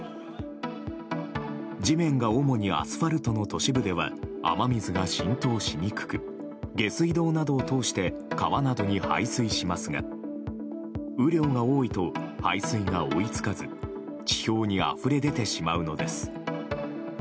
地面が主にアスファルトの都市部では雨水が浸透しにくく下水道などを通して川などに排水しますが雨量が多いと排水が追いつかず地表にあふれ出てしまうのです。